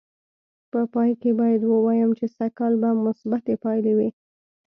په پای کې باید ووایم چې سږ کال به مثبتې پایلې وې.